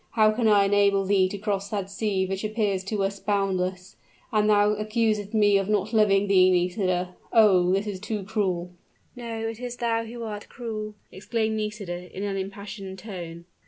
how can I enable thee to cross that sea which appears to us boundless? And thou accusest me of not loving thee, Nisida! Oh! this is too cruel!" "No, it is thou who art cruel!" exclaimed Nisida, in an impassioned tone.